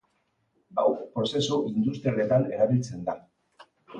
Hau prozesu industrialetan erabiltzen da.